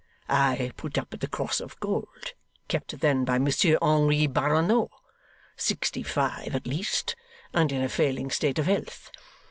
I put up at the Cross of Gold, kept then by Monsieur Henri Barronneau sixty five at least, and in a failing state of health.